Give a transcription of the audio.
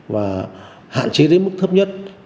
và hạn chế đến mức thấp nhất